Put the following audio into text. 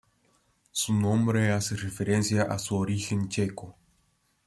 Su nombre hace referencia a su origen checo.